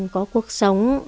có cuộc sống